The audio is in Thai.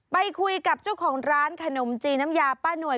ไปคุยกับเจ้าของร้านขนมจีนน้ำยาป้าหน่วย